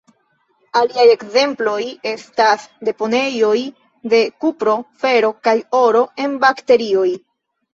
Aliaj ekzemploj estas deponejoj de kupro, fero kaj oro en bakterioj.